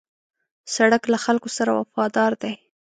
سړک له خلکو سره وفادار دی.